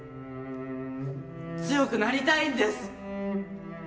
強くなりたいんです。